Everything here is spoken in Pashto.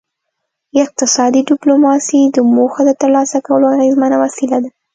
اقتصادي ډیپلوماسي د موخو د ترلاسه کولو اغیزمنه وسیله ده